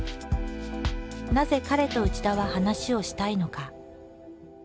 なぜ彼と内田は話をしたいのか？